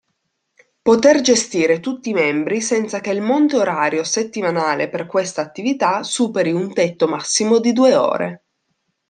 Poter gestire tutti i membri senza che il monte orario settimanale per questa attività superi un tetto massimo di due ore.